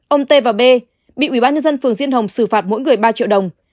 ông t và b bị ubnd phường diên hồng xử phạt mỗi người ba triệu đồng